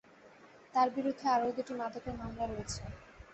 তাঁর বিরুদ্ধে আরও দুটি মাদকের মামলা রয়েছে।